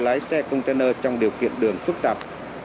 lái xe container trong điều kiện đường phức tạp